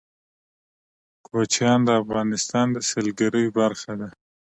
کوچیان د افغانستان د سیلګرۍ برخه ده.